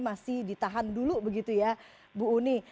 masih ditahan dulu begitu ya bu uni